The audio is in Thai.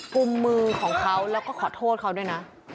กลุ่มมือของเขาแล้วก็ขอโทษเขาด้วยนะ